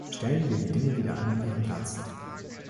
Stellen wir die Dinge wieder an ihren Platz.